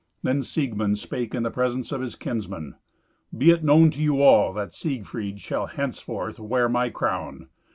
Then Siegmund spake in presence of his kinsmen, "Be it known to you all that Siegfried shall henceforth wear my crown."